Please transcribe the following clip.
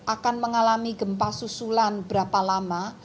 akan mengalami gempa susulan berapa lama